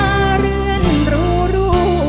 จะเลือนรู